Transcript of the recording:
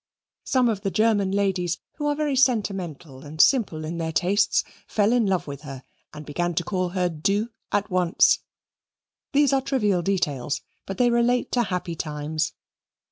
Some of the German ladies, who are very sentimental and simple in their tastes, fell in love with her and began to call her du at once. These are trivial details, but they relate to happy times.